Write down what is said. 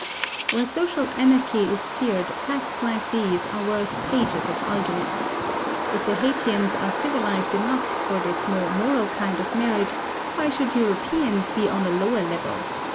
Where social anarchy is feared, facts like these are worth pages of argument. If the Haytians are civilised enough for this more moral kind of marriage, why should Europeans be on a lower level?